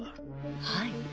はい。